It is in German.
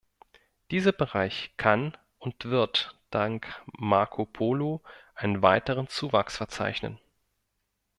Dieser Bereich kann und wird dank Marco Polo einen weiteren Zuwachs verzeichnen.